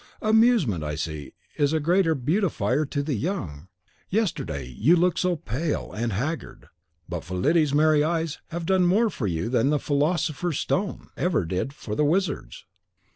Amusement, I see, is a great beautifier to the young. Yesterday you looked so pale and haggard; but Fillide's merry eyes have done more for you than the Philosopher's Stone (saints forgive me for naming it) ever did for the wizards."